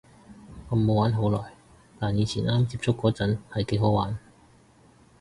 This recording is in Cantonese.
我冇玩好耐，但以前啱啱接觸嗰陣係幾好玩